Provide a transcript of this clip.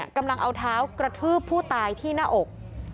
กำลังเอาเท้ากระทืบผู้ตายที่หน้าอก